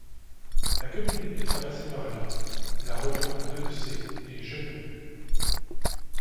La commune est traversée par la la reliant à Devecey et Geneuille.